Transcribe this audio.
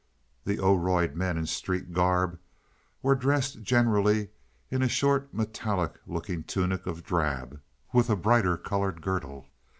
The Oroid men, in street garb, were dressed generally in a short metallic looking tunic of drab, with a brighter colored girdle.